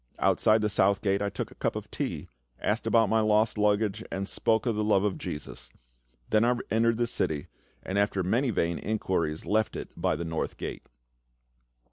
Outside the South Gate I took a cup of tea, asked about my lost luggage, and spoke of the love of JESUS. Then I entered the city, and after many vain inquiries left it by the North Gate.